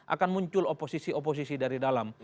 akan muncul oposisi oposisi dari dalam